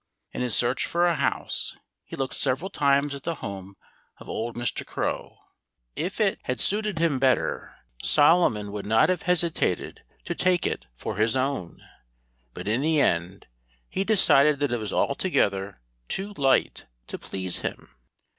In his search for a house he looked several times at the home of old Mr. Crow. If it had suited him better, Solomon would not have hesitated to take that it was altogether too light to please him.